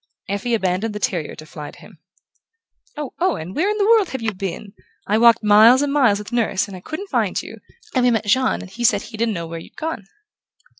Effie abandoned the terrier to fly to him. "Oh, Owen, where in the world have you been? I walked miles and miles with Nurse and couldn't find you, and we met Jean and he said he didn't know where you'd gone."